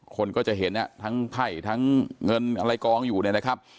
คนก็จะเห็นทั้งไพ่ทั้งเงินอะไรกองอยู่เนี่ยนะครับ